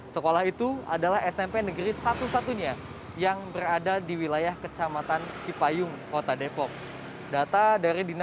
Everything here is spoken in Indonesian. sekolah itu adalah smp negeri satu satunya yang berada di wilayah kecamatan cipan